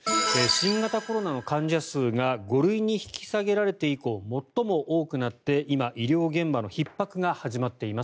新型コロナの患者数が５類に引き下げられて以降最も多くなって今医療現場のひっ迫が始まっています。